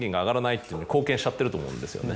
しちゃってると思うんですよね。